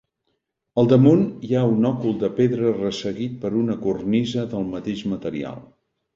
Al damunt hi ha un òcul de pedra resseguit per una cornisa del mateix material.